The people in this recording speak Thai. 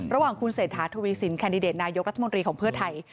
ระหว่างคุณเศรษฐาทวีสินแคนดิเดตนายกรัฐมนตรีของเพื่อไทย